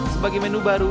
sebagai menu baru